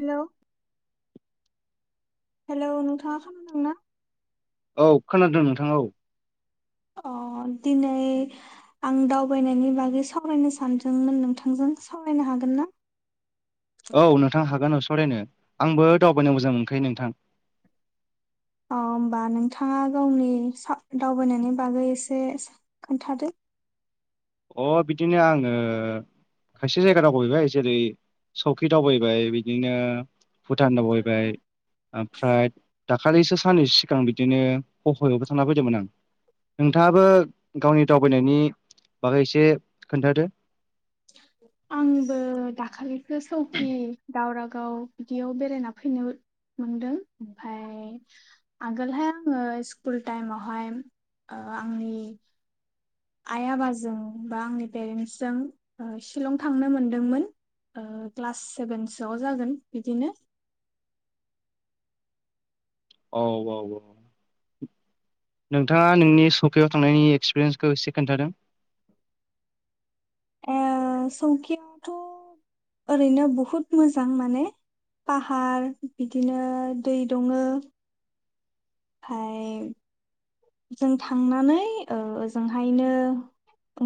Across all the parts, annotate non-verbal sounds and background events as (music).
हेल' hello नोंथाङा खोनादोंं ना? औ खोनादों नोंथां औ अ दिनै आं दावबायनायनि बागै सावरायनो सानदोंमोन? नोंथांजों सावरायनो हागोन ना? औ नोंथां हागोन अ सावरायनो आंबो दावबायनो मोजां मोनखायो नोंथां औ होनबा नोंथाङा गावनि सा दावबायनायनि बागै एसे खोन्थादो अ बिदिनो आङो खायसे जायगा दावबायहैबाय जेरै- सौकि दावबायबाय बिदिनो भुटान दावबायबाय ओमफ्राय दाखालिसो साननैसो सिगां बिदिनो हफयावबो थांना फैदोंमोन आं नोंथाङाबो गावनि दावबायनायनि बागै एसे खोन्थादो आंबो दाखालिसो सौकि दावराव आव बिदियाव बेरायना फैनो मोनदों ओमफ्राय आगोलहाय आङो स्कुल टाइमावहाय अ आंनि आइ आबाजों बा आंनि पेरेन्टसजों ओ शिलं थांनो मोनदोंमोन? ओ क्लास सेभेनसोआव जागोन बिदिनो औ औ नोंथाङा नोंनि सकायाव थांनायनि एक्सपिरियेन्सखौ एसे खोन्थादों ए संखयावथ' ओरैनो बहुत मोजां माने पाहार बिदिनो दै दङो फाय जों थांनानै ओ ओजोंहायनो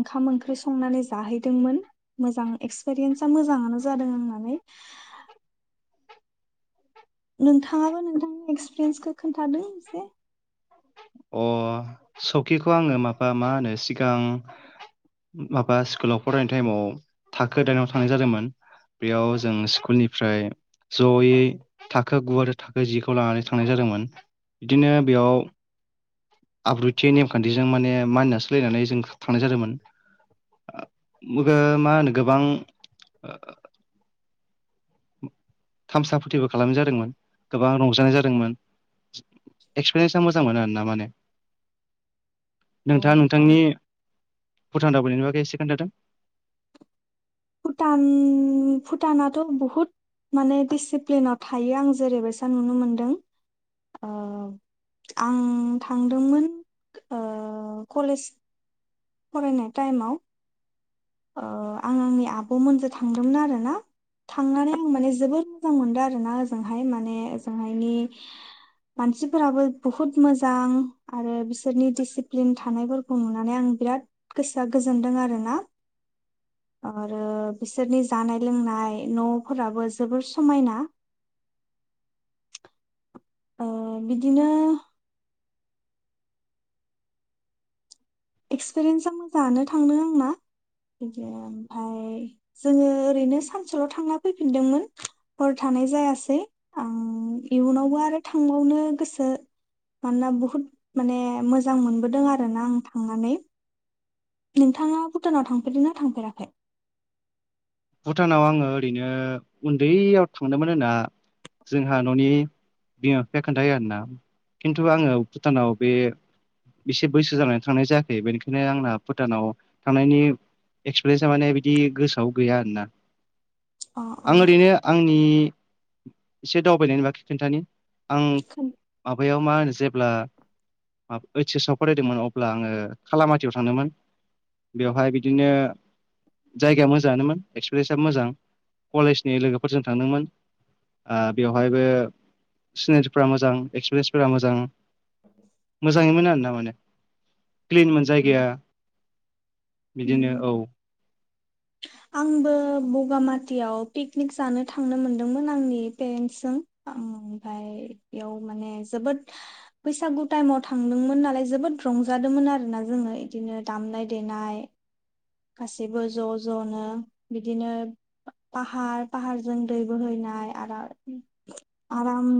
ओंखाम ओंख्रि संनानै जाहैदोंमोन? मोजां एक्सपिरियेन्सा मोजाङानो जादों आंननानै नोंथाङाबो नोंथांनि एक्सपिरियेन्सखौ खोन्थादों एसे? सकिखौ आङो माबा मा होनो सिगां माबा स्कुलाव फरायनाय टाइमाव थाखो दाइनाव थांनाय जादोंमोन। बेयाव जों स्कुलनिफ्राय जयै थाखो गु आरो थाखो जिखौ लानानै थांनाय जादोंमोन। बिदिनो बेयाव आब्रुथि नेमखान्थिजों माने मानिना सोलायनानै जों थांनाय जादोंमोन मा होनो गोबां थामसा फोथिबो खालामनाय जादोंमोन। गोबां रंजानाय जादोंमोन? एक्सपिरियेन्सा मोजां मोनो आरोना माने। (unintelligible) औ नोंथाङा औ नोंथांनि भुटान दावबाइनायनि बागै एसे खोन्थादों भुटान भुटानाथ' बहुत माने डिसिप्लिनाव थायो आं जेरैबायसा नुनो मोनदों अ आं थांदोंमोन ओ कलेज फरायनाय टाइमाव ओ आं आंनि आब'मोनजों थांदोंमोन आरोना? थांनानै आं माने जोबद मोजां मोनदों आर ना ओजोंहाय माने ओजोंहायनि मानसिफोराबो बुहुत मोजां आरो बिसोरनि डिसिप्लिन थानायफोरखौ नुनानै आं बिराद गोसोआ गोजोनदों आरोना आरो बिसोरनि जानाय लोंनाय न'फोराबो जोबोर समायना ओ बिदिनो एक्सपिरियेन्स मोजाङानो थांदों आंना बिदिनो ओमफाय जोङो ओरैनो सानसेल थांना फैफिनदोंमोन हरथा नाय जायासै ओं इयुनावबो आरो थांबावनो गोसो मानोना बहुद माने मोजां मोनबोदों आरोना आं थांनानै नोंथाङा भुटानाव थांफेरदों ना थांफेराखै? भुटानाव आङो ओरैनो उन्दैयाव थांदोंमोन होनना जोंहा न'नि बिमा फिफाया खोन्थायो आरोना खिन्थु आङो भुटानाव बे एसे बैसो जानानै थांनाय जायाखै बेनिखायनो आंना भुटानाव थांनायनि एक्सपिरियेन्सा माने बिदि गोसोआव गैया आरोना अ अ आं ओरैनो आंनि एसे दावबायनायनि बाखि खोन्थानि (unintelligible) बैयाव मा होनो जेब्ला (unintelligible) ओइस एस आव फरायदोंमोन अब्ला आङो खालामाथियाव थांदोंमोन बेवहाय बिदिनो जायगाया मो जानोमोन एक्सपिरियेन्सआबो मोजां कलेजनि लोगोफोरजों थांदोंमोन ओ बेवहायबो सिनायथिफोरा मोजां एक्सपिरियेन्सफोरा मोजां मोजाङैमोन आर ना माने क्लिनमोन जायगाया बिदिनो उम औ आंबो बगामाथियाव पिकनिक जानो थांनो मोनदोंमोन आंनि पेरेन्टसजों ओमफाय बेयाव माने जोबोद बैसागु टाइमाव थांदोंमोन नालाय जोबोद रंजादोंमोन आरोना जोङो बिदिनो दामनाय देनाय गासैबो ज' ज'नो बिदिनो फाहार फाहारजों दै बोहैनाय आरो आराम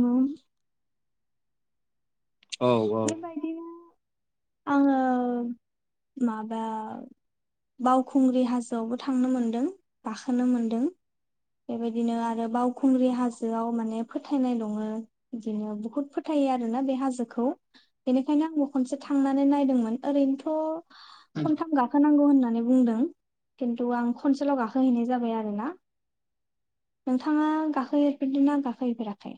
औ बेबायदिनो आङो माबा बावखुंग्रि हाजोआवबो थांनो मोनदों गाखोनो मोनदों बेबायदिनो आरो बावखुंग्रि हाजोआव माने फोथायनाय दङो बिदिनो बुहुत फोथाय थायो आरोना बे हाजोखौ बेनिखायनो आंबो खनसे थांनानै नायदोंमोन ओरैनोथ' खनथाम गाखोनांगौ होन नानै बुंदों खिन्थु आं खनसेल' गाखो हैैनाय जाबाय आरोना नोंथाङा गाखोहैफेरदोंना गाखोहैफेराखै?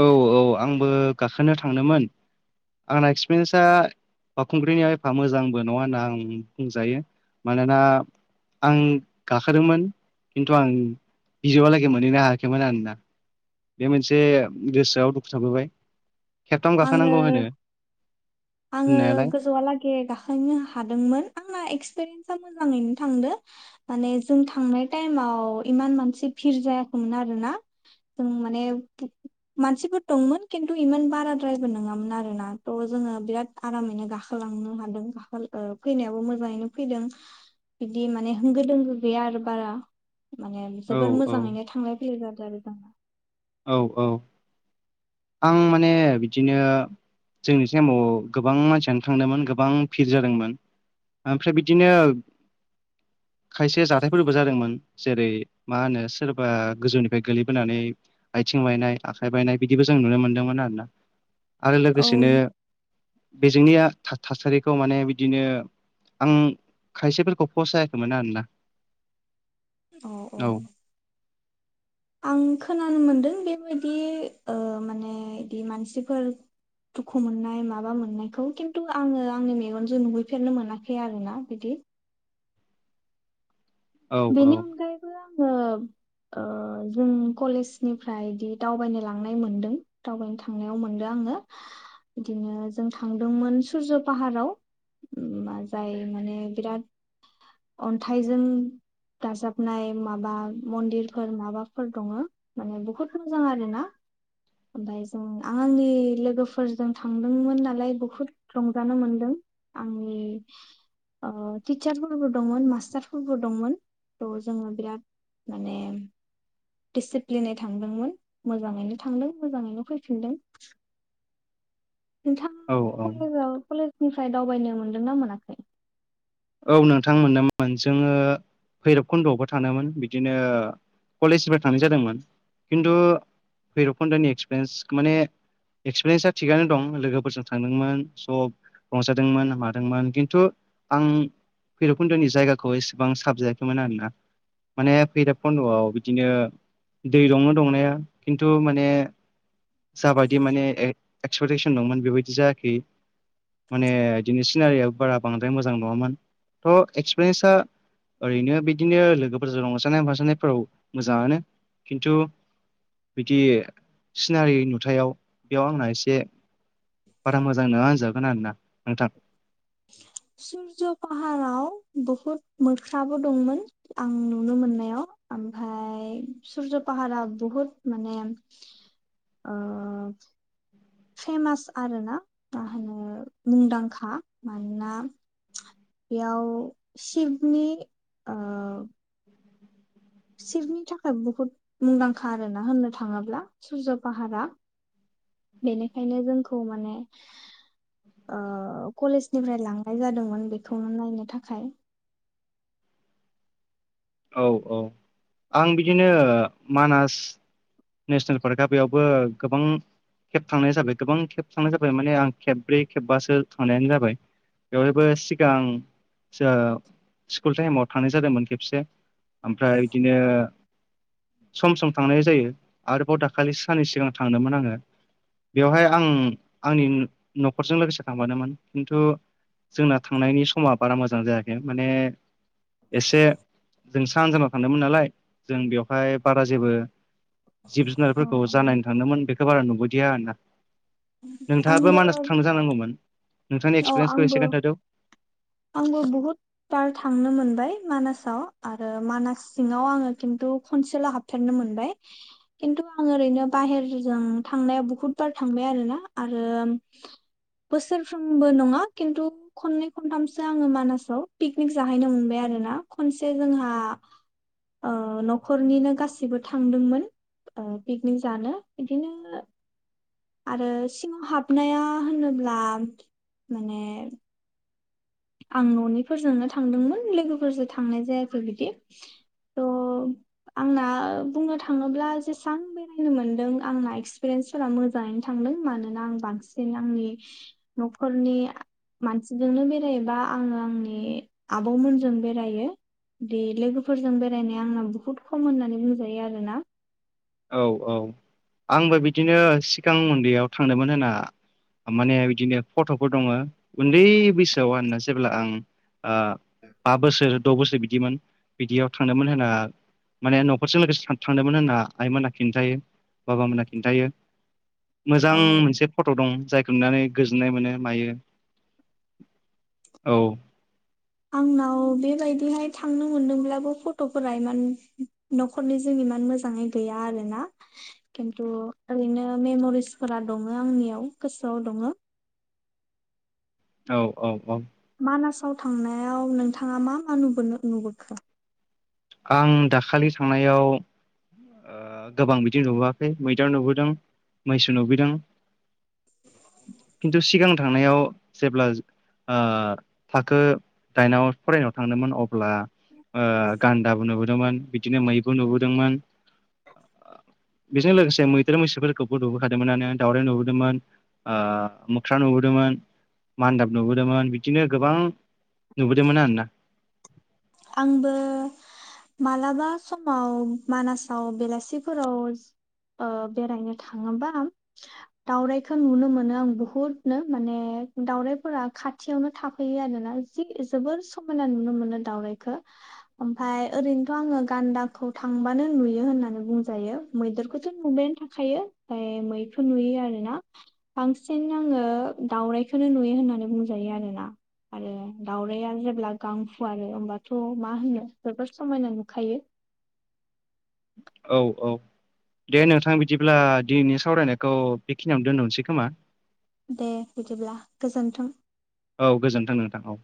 औ औ आंबो गाखोनो थांदोंमोन आंना एक्सपिरियेन्सा बावखुंग्रिनि एफा मोजांबो नङा होनना आं बुंजायो मानोना आं गाखोदोंमोन खिन्थु आं बिजौहालागै मोनहैनो हायाखैमोन आरोना बे मोनसे गोसोआव दुखु थाबोबाय खेबथाम आङो गाखोनांगौ होनो आङो होननायालाय गोजौआलागै गाखोनो हादोंमोन आंना एक्सपिरिन्स सा मोजाङैनो थांदो माने जों थांनाय टाइमाव इमान मानसि भिर जायाखैमोन आरो ना जों माने मानसिफोर दंमोन खिन्थु इमान बारा द्रायबो नङामोन आरोना थ' जोङो बिराद आरामैनो गाखोलांनो हादों ओ फैनायाबो मोजां नो फैदों बिदि माने होंगो दोंगो गैया आरो बारा माने औ जोबोर औ मोजाङैनो थांलाय फैयो जादो आरो जोंना औ औ आं माने बिदिनो जोंनि टाइमाव गोबां मानसियानो थांदोंमोन गोबां फिर जादोंमोन ओमफ्राय बिदिनो (inaudible) खायसे जाथायफोरबो जादोंमोन जेरै मा होनो सोरबा गोजौनिफाय गोलैबोनानै आइ थिं बायनाय आखाइ बायनाय बिदिबो जों नुनो मोन्दोंमोन आरोना आरो औ लोगोसेनो बेजोंनिया था थासारिखौ माने बिदिनो आं खायसेफोरखौ फसायाखैमोन आरोना। अ औ आं खोनानो मोनदों बेबायदि ओ माने इदि मानसिफोर दुखु मोननाय माबा मोननायखौ खिन्थु आङो आंनि मेगनजों नुुहैफेरनो मोनाखै आरोना बिदि। (unintelligible) औ औ बेनि अनगायैबो आङो ओ जों कलेजनिफ्रायदि दावबायनो लांनाय मोनदों दावबायनो थांनायाव मोनदों आं। इदिनो जों थांदोंमोन सुरज' फाहाराव मा जायो माने बिराद अन्थाइजों दाजाबनाय माबा मन्दिरफोर माबाफोर दङ माने बहुद मोजां आरोना ओमफाय जों आं आंनि लोगोफोरजों थांदोंमोन नालाय बहुद रंजानो मोनदों आंनि अ' टिचारफोरबो दंमोन मास्टारफोरबो दंमोन थ' जोङो बिराद माने दिसिप्लिनै थांदोंमोन मोजाङैनो थांदों मोजाङैनो फैफिनदों। नोंथां औ (unintelligible) औ कलेजाव कलेजनिफ्राय दावबायनो मोनदोंना मोनाखै? औ नोंथां मोन (inaudible) मोन जोङो भैरब खुन्द'आवबो थांदोंमोन बिदिनो कलेजनिफ्राय थानाय जादोंमोन खिन्थु भैरबखनदनि एक्सपिरियेन्स माने एक्सपिरियेन्सा थिगानो दं लोगोफोरजों थांदोंमोन स' रंजादोंमोन मादोंमोन खिन्थु आं भैर'कुन्द'नि जायगाखौ एसेबां साबजायाखैमोन आरोना। माने फैरबखन्द'आव बिदिनो दै दंनो दंनाया खिन्थु माने जाबायदि माने ए क्सपेक्टेसन दंमोन बेबायदि जायाखै। माने इदिनो सिनारियाबो बारा बांद्राय मोजां नङामोन थ' एक्सपिरियेन्सा ओरैनो बिदिनो लोगोफोरजों रंजानाय माजानायफोराव मोजाङानो खिन्थु बिदि सिनारि नुथायाव बेयाव आंना एसे बारा मोजां नङा होनजागोन आरोना नोंथां (unintelligible) सुरज' फाहाराव बहुद मोख्राबो दंमोन आं नुनो मोननायाव ओमफाय सुरज' पाहारा बहुत माने ओ' फेमास आरोना मा होनो मुंदांखा मानोना बेयाव शिबनि ओ शिबनि थाखाय बहुत मुंदांखा आरोना होननो थाङोब्ला सुरज' फाहारा बेनिखायनो जोंखौ माने ओ कलेज निफ्राय लांनाय जादोंमोन बेखौनो नायनो थाखाय औ औ आं बिदिनो मानास नेसनेल पार्कआ बेयावबो गोबां खेब थांनाय जाबाय गोबां खेब थांनाय जाबाय माने आं खेबब्रै खेबबासो थांनायानो जाबाय बेवहायबो सिगां (unintelligible) स्कुल टाइमाव थांनाय जादोंमोन खेबसे। ओमफ्राय बिदिनो सम सम थांनाय जायो आरोबाव दाखालि सानै सिगां थांदोंमोन आङो बेवहाय आं आंनि न'खरजों लोगोसे थांफादोंमोन खिन्थु जोंना थांनायनि समा बारा मोजां जायाखै माने एसे जों साहा ओनसोलाव थांदोंमोन नालाय जों बेवहाय बारा जेबो जिब अ जुनारफोरखौ जा नायनो अ थांदोंमोन बेखौ बारा नुबोदिया आरोना नोंथाङाबो आंबो मानास थांनो जानांगौमोन नोंथांनि औ एक्सपिरियेन्सखौ आंबो एसे खोन्थादो आंबो बहुद बार थांनो मोनबाय मानासाव आरो मानास सिङाव आङो खिन्थु खनसेल' हाबफेरनो मोनबाय खिन्थु आं ओरैनो बाहेरजों थांनायाव बहुतबार थां थांबाय आरोना बोसोरफ्रोमबो नङा खिन्थु खनै खनथाम आङो मानासाव पिकनिक जाहैनो मोनबाय आरो ना खनसे जोंहा न'खरनिनो गासैबो थांदोंमोन। पिकनिक जानो बिदिनो आरो सिङाव हाबनाया होनोब्ला माने आं न'निफोरजोंनो थांदोंमोन लोगोफोरजों थांनाय जायाखै बिदि त' आंना बुंनो थाङोब्ला जेसेबां बेरायनो मोनदों आंना एक्सपिरिन्सफोरा मोजाङैनो थांदों मोन मानोना आङो बांसिन आंनि न'खरनि मानसिजोंनो जेनबा आङो आंनि आब'मोनजों बेरायो बे लोगोफोरजों बेरायनाया आंना बहुत खम होननानै बुंजायो आरोना औ औ आंबो बिदिनो सिगां उन्दैयाव थांदोंमोन होना माने बिदिनो फट'फोर दङ उन्दै बैसोआव आरोना जेब्ला आं बा बोसोर द' बोसोर बिदिमोन बिदियाव थांदोंमोन होनना माने न'खरजों लोगोसे थांदोंमोन होनना आइमोना खिन्थायो बाबा मोना खिन्थायो मोजां मोनसे फट' दं जाय सोमनानै गोजोननाय मोनो मायो औ आंनाव बेबायदिहाय थांनो मोनदोंब्लाबो फट'फोरा इमान न'खरनि जोंनि इमान मोजाङै गैया आरोना खिन्थु ओरैनो मेम'रिसफोरा दङ आंनियाव गोसोआव दङ औ औ औ मानासाव थांनायाव नोंथाङा मा मा नु नुबोखो? आं दाखालि थांनायाव गोबां बिदि नुबोआखै मैदेर नुबोदों मैसो नुबोदों खिन्थु सिगां थांनायाव जेब्ला थाखो दाइनाव फरायनायाव थांदोंमोन अब्ला नुदोंमोन बिदिनो मैबो नुबोदोंमोन (inaudible) बेजों लोगोसे मैदेर मैसोफोरखौबो नुबोखादोंमोनान दावउराइ नुबोदोंमोन मोख्रा नुबोदोंमोन मान्दाब नुबोदोंमोन बिदिनो गोबां नुबोदोंमोन आरोना। आंबो मालाबा समाव मानासाव बेलासिफोराव बेरायनो थाङोबा दावरायखौ नुनो मोनो आं बुहुदनो माने दाउरायफोरा खाथियावनो थाफैयो आरोना जि जोबोर समायना नुनो मोनो दाउरायखौ (inaudible) ओमफाय ओरैनोथ' आङो गान्दाखौ थांबानो नुयो होननानै बुंजायो मैदेरखौथ' नुब थाखायो फ्राय मैखौ नुयो आरोना बांसिन आङो दाावरायखौनो नुयो बे होननानै बुंजायो आरोना आरो दावराया जेब्ला गां फुवारो आरो हबा थ' मा होनो जोबोर समायना नुखायो। औ औ दे नोंथां बिदिब्ला दिनैनि सावरायनायखौ बेखिनियावनो दोनथ'नोसै खोमा? दे बिदिब्ला गोजोन्थों। औ गोजोन्थों नोंथां औ